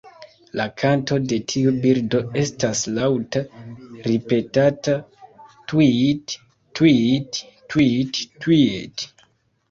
La kanto de tiu birdo estas laŭta ripetata "tŭiit-tŭiit-tŭiit-tŭiit".